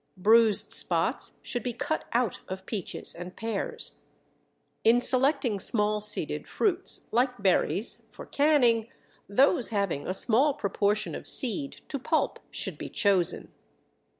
Bruised spots should be cut out of peaches and pears. In selecting small seeded fruits, like berries, for canning, those having a small proportion of seed to pulp should be chosen.